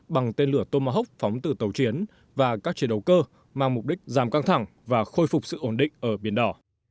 bằng tên lửa tomahawk phóng từ tàu chiến và các chiến đấu cơ mang mục đích giảm căng thẳng và khôi phục sự ổn định ở biển đỏ